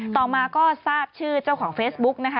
ต่อมาก็ทราบชื่อเจ้าของเฟซบุ๊กนะคะ